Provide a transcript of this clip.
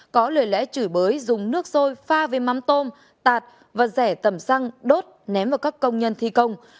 có lời lẽ chửi bới dùng nước sôi pha với mắm tôm tạt và rẻ tẩm xăng đốt ném vào các công nhân thi công